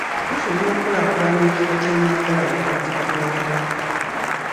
Tusuubira okukulaakulanya ekifo kya Nnaggalabi awatikkirirwa Kabaka.